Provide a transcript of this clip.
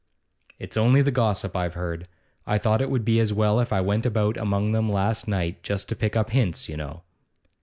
'It's only the gossip I've heard. I thought it would be as well if I went about among them last night just to pick up hints, you know.